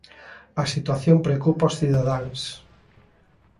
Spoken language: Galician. A situación preocupa aos cidadáns.